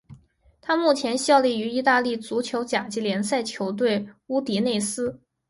他目前效力于意大利足球甲级联赛球队乌迪内斯。